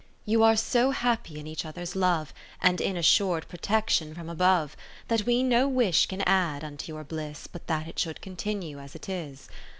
You are so happy in each other's love, And in assur'd protection from above, 30 That we no wish can add unto your bhss But that it should continue as it is.